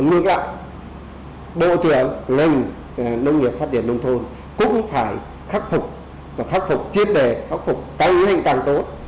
nhưng mà bộ trưởng ngành nông nghiệp phát triển nông thôn cũng phải khắc phục khắc phục chiến đề khắc phục cái nguyên hình càng tốt